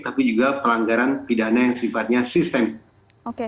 tapi juga pelanggaran pidana yang sifatnya sistem